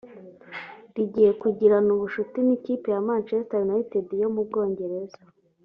rigiye kugirana ubucuti n’ikipe ya Manchester United yo mu Bwongereza